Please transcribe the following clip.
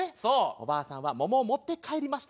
おばあさんは桃を持って帰りました。